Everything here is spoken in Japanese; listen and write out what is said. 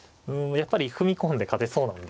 やっぱり踏み込んで勝てそうなんで。